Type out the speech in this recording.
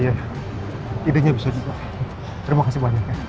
iya ianya bisa juga terima kasih banyak